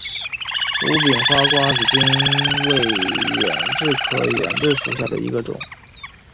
无柄花瓜子金为远志科远志属下的一个种。